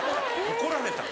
怒られた。